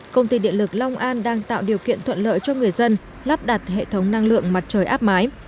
công ty điện lực long an đang tạo điều kiện thuận lợi cho người dân lắp đặt hệ thống năng lượng mặt trời áp mái